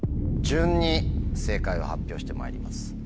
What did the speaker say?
順に正解を発表してまいります。